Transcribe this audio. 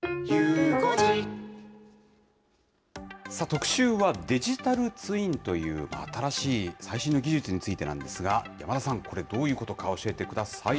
特集はデジタルツインという新しい最新の技術についてなんですが、山田さん、これ、どういうことか教えてください。